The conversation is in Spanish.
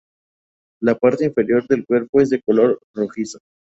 La parte inferior del cuerpo es de color rojizo.